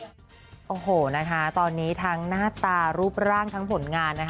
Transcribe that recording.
โอ้โหนะคะตอนนี้ทั้งหน้าตารูปร่างทั้งผลงานนะคะ